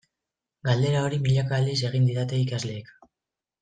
Galdera hori milaka aldiz egin didate ikasleek.